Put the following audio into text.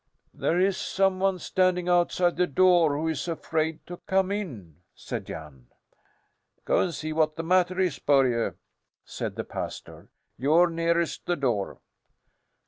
"There is some one standing outside the door who is afraid to come in," said Jan. "Go see what the matter is, Börje," said the pastor. "You're nearest the door."